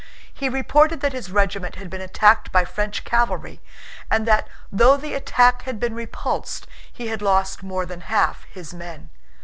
He reported that his regiment had been attacked by French cavalry and that, though the attack had been repulsed, he had lost more than half his men.